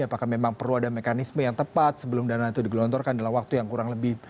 apakah memang perlu ada mekanisme yang tepat sebelum dana itu digelontorkan dalam waktu yang kurang lebih